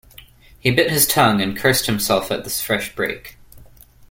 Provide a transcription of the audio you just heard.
He bit his tongue, and cursed himself at this fresh break.